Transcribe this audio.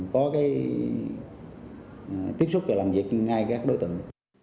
có tiếp xúc và làm việc ngay các đối tượng